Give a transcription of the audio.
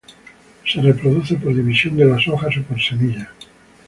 Se reproduce por división de las hojas o por semilla.